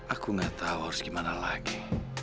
aku nggak tahu harus gimana lagi